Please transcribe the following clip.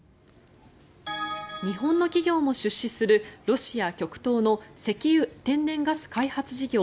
日本の企業も出資するロシア極東の石油・天然ガス開発事業